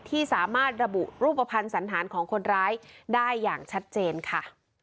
ที่สามารถระบุรูปภัณฑ์สันธารของคนร้ายได้อย่างชัดเจนค่ะ